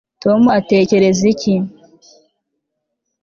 tom atekereza iki